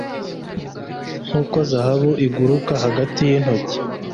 Nkuko zahabu iguruka hagati yintoki